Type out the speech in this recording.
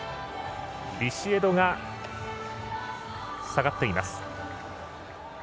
ビシエドが下がっています。